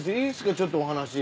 ちょっとお話。